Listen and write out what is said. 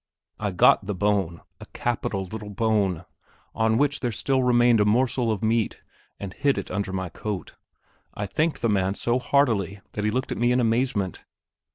I got the bone, a capital little bone, on which there still remained a morsel of meat, and hid it under my coat. I thanked the man so heartily that he looked at me in amazement.